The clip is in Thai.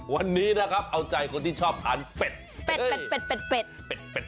วันนี้นะครับเอาใจคนที่ชอบอ่านเป็ด